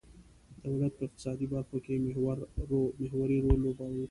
دولت په اقتصادي برخو کې محوري رول لوباوه.